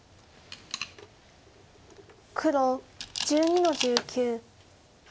黒１２の十九。